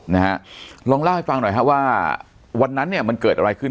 นะฮะลองเล่าให้ฟังหน่อยฮะว่าวันนั้นเนี่ยมันเกิดอะไรขึ้น